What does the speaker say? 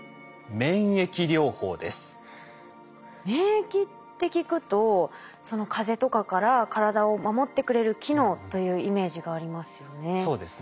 免疫って聞くと風邪とかから体を守ってくれる機能というイメージがありますよね。